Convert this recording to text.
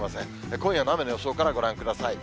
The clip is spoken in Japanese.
今夜の雨の予想からご覧ください。